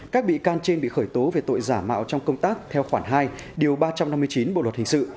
các bị can trên bị khởi tố về tội giả mạo trong công tác theo khoản hai điều ba trăm năm mươi chín bộ luật hình sự